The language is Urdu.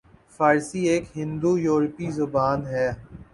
فارسی ایک ہند یورپی زبان ہے